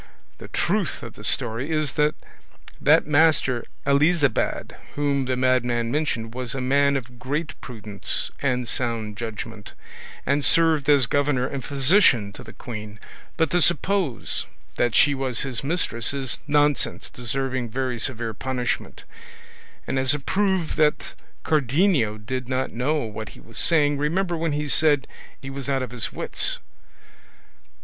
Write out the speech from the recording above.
The truth of the story is that that Master Elisabad whom the madman mentioned was a man of great prudence and sound judgment, and served as governor and physician to the queen, but to suppose that she was his mistress is nonsense deserving very severe punishment; and as a proof that Cardenio did not know what he was saying, remember when he said it he was out of his wits."